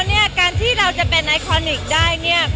คือจริงที่เราจะเป็นจงต่อไปได้